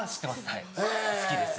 はい好きです。